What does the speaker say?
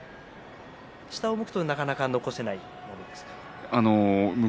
下を向くとなかなか残せないですか。